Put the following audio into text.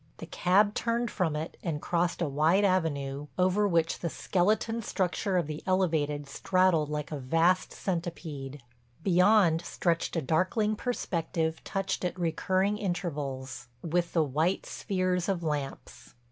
The cab turned from it and crossed a wide avenue over which the skeleton structure of the elevated straddled like a vast centipede. Beyond stretched a darkling perspective touched at recurring intervals with the white spheres of lamps.